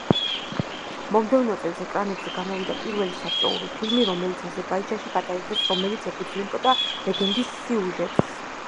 მომდევნო წელს ეკრანებზე გამოვიდა პირველი საბჭოური ფილმი, რომელიც აზერბაიჯანში გადაიღეს, რომელიც ეფუძნებოდა ლეგენდის სიუჟეტს.